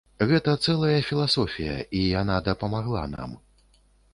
Гэта цэлая філасофія, і яна дапамагла нам.